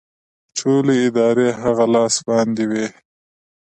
ټولې ادارې د هغه لاس باندې وې